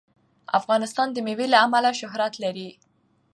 افغانستان د مېوې له امله شهرت لري.